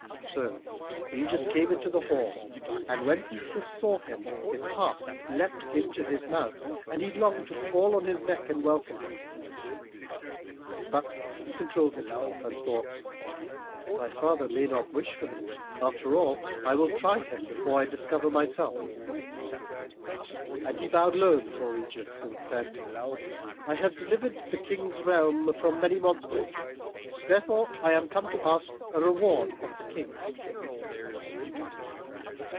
So Ægeus came into the hall, and when Theseus saw him his heart leapt into his mouth, and he longed to fall on his neck and welcome him. But he controlled himself and thought, "My father may not wish for me, after all. I will try him before I discover myself." And he bowed low before Ægeus and said, "I have delivered the King's realm from many monsters, therefore I am come to ask a reward of the King."